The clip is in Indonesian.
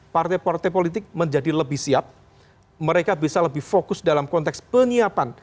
partai partai politik menjadi lebih siap mereka bisa lebih fokus dalam konteks penyiapan